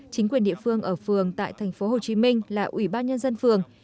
chính quyền địa phương ở phường tại tp hcm là ủy ban nhân dân phường